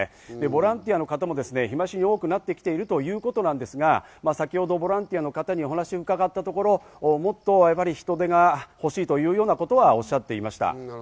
ボランティアの方も日増しに多くなってきているということなんですが、先ほどボランティアの方にお話を伺ったところ、もっとやはり人手が欲しいというようなことはおっしゃっていました。